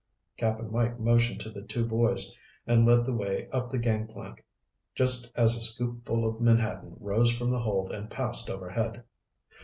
Cap'n Mike motioned to the two boys and led the way up the gangplank just as a scoop full of menhaden rose from the hold and passed overhead.